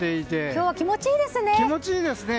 今日は気持ちいいですね。